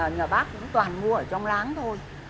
nhà bác cũng toàn mua ở trong láng thôi